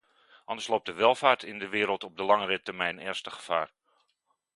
Anders loopt de welvaart in de wereld op de langere termijn ernstig gevaar.